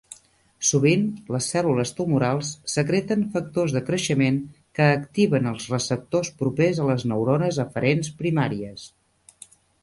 Sovint, les cèl·lules tumorals secreten factors de creixement que activen els receptors propers a les neurones aferents primàries.